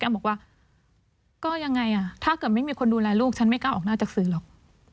บอกว่าก็ยังไงอ่ะถ้าเกิดไม่มีคนดูแลลูกฉันไม่กล้าออกหน้าจากสื่อหรอก